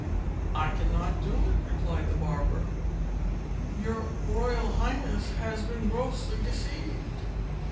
"I cannot do it," replied the barber; "your royal highness has been grossly deceived.